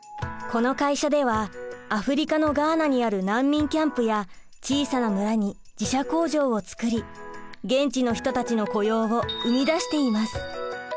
この会社ではアフリカのガーナにある難民キャンプや小さな村に自社工場をつくり現地の人たちの雇用を生み出しています。